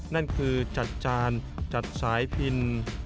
นั่นคือจัดจานจัดสายพิน